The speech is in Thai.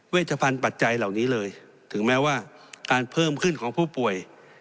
ชพันธ์ปัจจัยเหล่านี้เลยถึงแม้ว่าการเพิ่มขึ้นของผู้ป่วย